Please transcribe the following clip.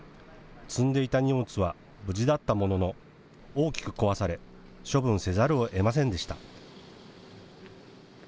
積んでいた荷物は無事だったものの大きく壊され処分せざるをえませんでした。